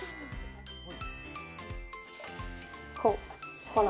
こうほら。